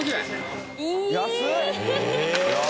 安い！